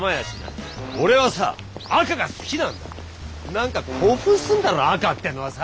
何か興奮するだろ赤ってのはさ。